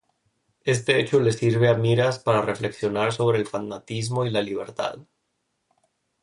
Este hecho le sirve a Miras para reflexionar sobre el fanatismo y la libertad.